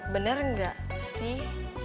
bener gak sih